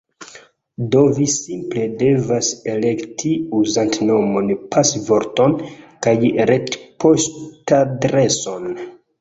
Do vi simple devas elekti uzantnomon pasvorton kaj retpoŝtadreson